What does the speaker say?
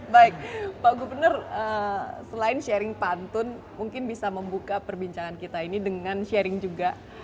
baik pak gubernur selain sharing pantun mungkin bisa membuka perbincangan kita ini dengan sharing juga